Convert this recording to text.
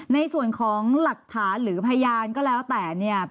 ในส่วนของหลักฐานหรือพยานก็แล้วแต่เนี่ย